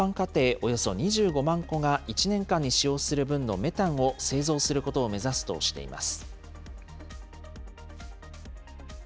およそ２５万戸が１年間に使用する分のメタンを製造することを目指すとしています。